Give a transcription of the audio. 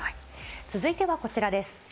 続いてはこちらです。